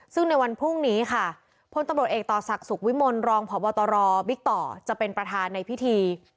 ซึ่งในวันพรุ่งนี้ค่ะพลตำรวจเอกต่อศักดิ์สุขวิมลรองพบตรบิ๊กต่อจะเป็นประธานในพิธี